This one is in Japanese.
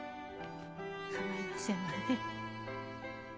構いませんわね？